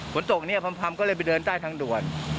ฝนตกนี้พรรมก็เลยไปเดินใต้ทั้งด่วน